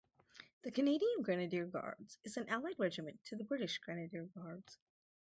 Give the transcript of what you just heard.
The Canadian Grenadier Guards is an allied regiment to the British Grenadier Guards.